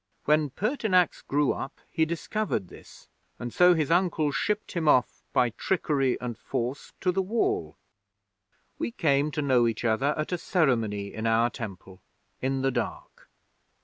When Pertinax grew up, he discovered this, and so his uncle shipped him off, by trickery and force, to the Wall. We came to know each other at a ceremony in our Temple in the dark.